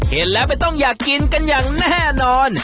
เห็นแล้วไม่ต้องอยากกินกันอย่างแน่นอน